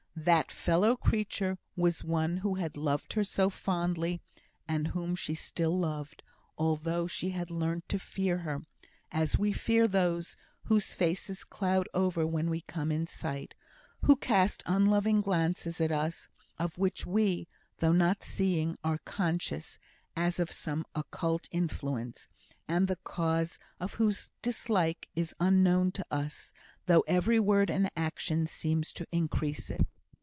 That fellow creature was one who had once loved her so fondly, and whom she still loved, although she had learnt to fear her, as we fear those whose faces cloud over when we come in sight who cast unloving glances at us, of which we, though not seeing, are conscious, as of some occult influence; and the cause of whose dislike is unknown to us, though every word and action seems to increase it.